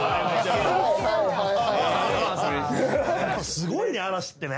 すごいね嵐ってね。